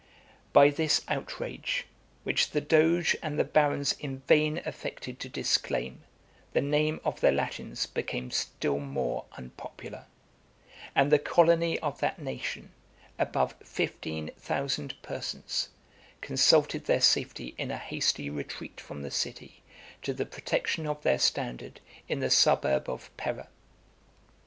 By this outrage, which the doge and the barons in vain affected to disclaim, the name of the Latins became still more unpopular; and the colony of that nation, above fifteen thousand persons, consulted their safety in a hasty retreat from the city to the protection of their standard in the suburb of Pera.